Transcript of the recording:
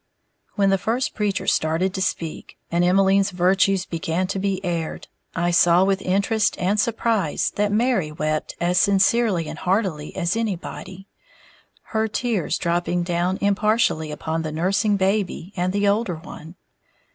When the first preacher started to speak, and Emmeline's virtues began to be aired, I saw with interest and surprise that Mary wept as sincerely and heartily as anybody, her tears dropping down impartially upon the nursing baby and the older one.